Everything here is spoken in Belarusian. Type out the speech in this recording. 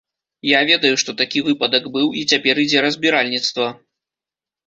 Я ведаю, што такі выпадак быў, і цяпер ідзе разбіральніцтва.